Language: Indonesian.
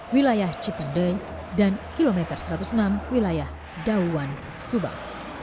wilayah cipandei dan kilometer satu ratus enam wilayah dawan subang